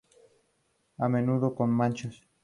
A menudo con manchas.